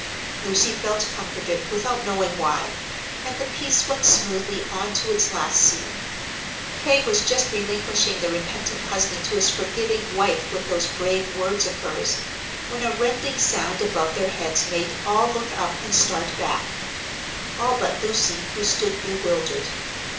Lucy felt comforted without knowing why, and the piece went smoothly on to its last scene. Peg was just relinquishing the repentant husband to his forgiving wife with those brave words of hers, when a rending sound above their heads made all look up and start back; all but Lucy, who stood bewildered.